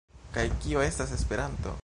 Kaj kio estas Esperanto?